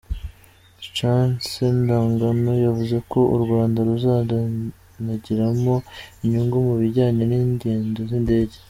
Chance Ndagano, yavuze ko u Rwanda ruzanagiriramo inyungu mu bijyanye n’ingendo z’indege.